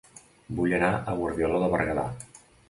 Vull anar a Guardiola de Berguedà